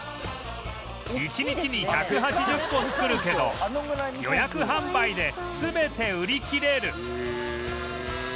１日に１８０個作るけど予約販売で全て売り切れる